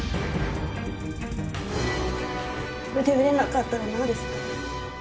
これで売れなかったらなんですか？